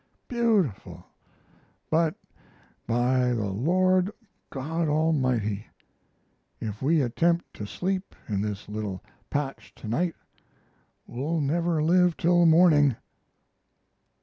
beautifull but by the Lord God Almighty, if we attempt to sleep in this little patch to night, we'll never live till morning!"